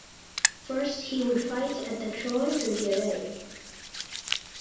First he would fight at the Trois Rivieres.